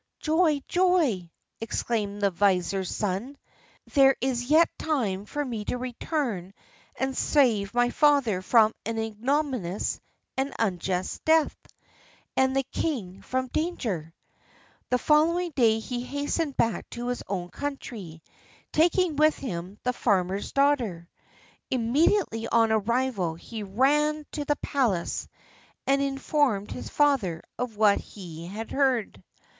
"Joy, joy!" exclaimed the vizier's son. "There is yet time for me to return and save my father from an ignominious and unjust death, and the king from danger." The following day he hastened back to his own country, taking with him the farmer's daughter. Immediately on arrival he ran to the palace and informed his father of what he had heard.